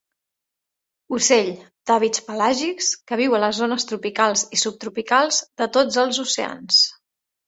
Ocell d'hàbits pelàgics, que viu a les zones tropicals i subtropicals de tots els oceans.